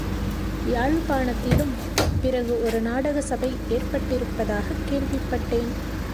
யாழ்ப்பாணத்திலும் பிறகு ஒரு நாடக சபை ஏற்பட்டிருப்பதாகக் கேள்விப்பட்டேன்.